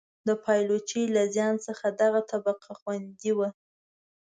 د پایلوچۍ له زیان څخه دغه طبقه خوندي وه.